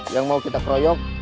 yang mau kita keroyok